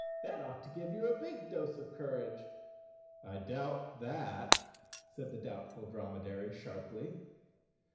That ought to give you a big dose of cour¬ age." "I doubt that," said the Doubtful Dromedary sharply.